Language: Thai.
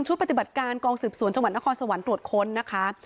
ปฏิบัติการกองสืบสวนจังหวัดนครสวรรค์ตรวจค้นนะคะ